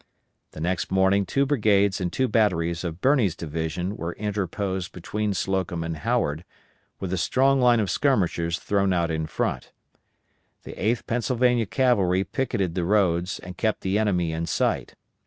The next morning two brigades and two batteries of Birney's division were interposed between Slocum and Howard, with a strong line of skirmishers thrown out in front. The 8th Pennsylvania Cavalry picketed the roads and kept the enemy in sight.